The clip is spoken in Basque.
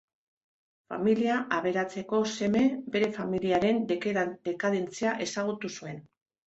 Familia aberatseko seme, bere familiaren dekadentzia ezagutu zuen.